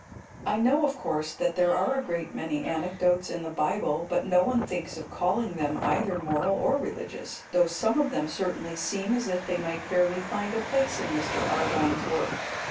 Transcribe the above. I know, of course, that there are a great many anecdotes in the Bible, but no one thinks of calling them either moral or religious, though some of them certainly seem as if they might fairly find a place in Mr. Arvine's work.